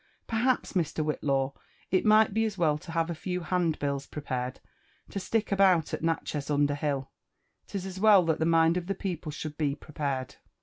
— Perhaps, Mr. Whitlaw, it might be as well to ha\t a few handbills prepared, to stick aboi^t at Natchez 'under hill ;— "His as, weU Ihat the mind of the people should be prepared.